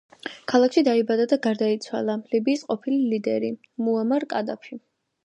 ქალაქში დაიბადა და გარდაიცვალა ლიბიის ყოფილი ლიდერი მუამარ კადაფი.